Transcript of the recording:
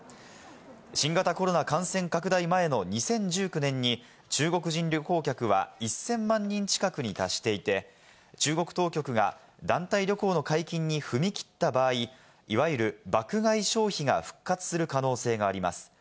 新型コロナ感染拡大前の２０１９年に中国人旅行客は１０００万人近くに達していて、中国当局が団体旅行の解禁に踏み切った場合、いわゆる爆買い消費が復活する可能性があります。